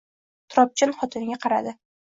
Turobjon xotiniga qaradi.